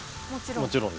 もちろん。